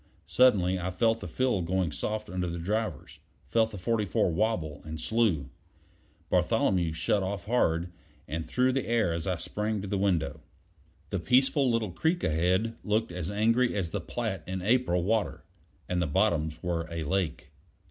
Suddenly I felt the fill going soft under the drivers; felt the 44 wobble and slew. Bartholomew shut off hard, and threw the air as I sprang to the window. The peaceful little creek ahead looked as angry as the Platte in April water, and the bottoms were a lake.